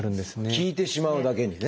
効いてしまうだけにね。